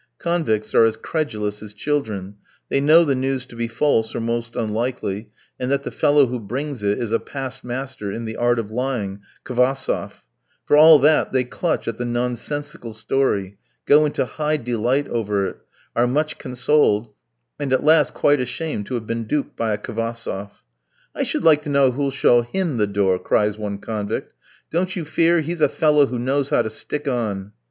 Convicts are as credulous as children; they know the news to be false, or most unlikely, and that the fellow who brings it is a past master in the art of lying, Kvassoff; for all that they clutch at the nonsensical story, go into high delight over it, are much consoled, and at last quite ashamed to have been duped by a Kvassoff. "I should like to know who'll show him the door?" cries one convict; "don't you fear, he's a fellow who knows how to stick on."